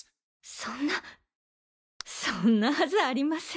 そんなそんなはずありません。